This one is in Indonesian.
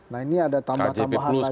nah ini ada tambah tambahan lagi